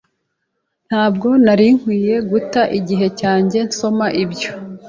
Ntabwo nari nkwiye guta igihe cyanjye nsoma ibyo.